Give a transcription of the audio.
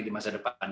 di masa depan